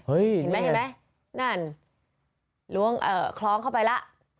เห็นไหมนั่นล่วงคล้องเข้าไปล่ะ